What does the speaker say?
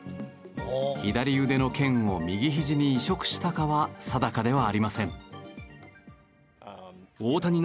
左腕の腱を右ひじに移植したかは定かではありません。